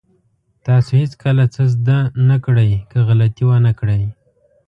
تاسو هېڅکله څه زده نه کړئ که غلطي ونه کړئ.